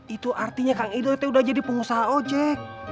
itu artinya kang idoi tuh udah jadi pengusaha ojek